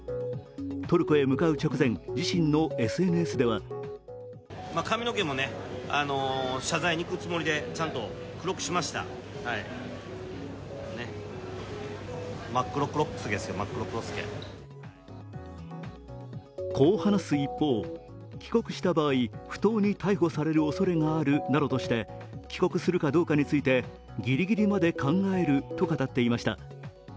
トルコへ向かう直前、自身のＳＮＳではこう話す一方、帰国した場合不当に逮捕されるおそれがあるなどとして帰国するかどうかについて、ギリギリまで考えると語っていました。